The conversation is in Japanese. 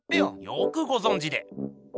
よくごぞんじで。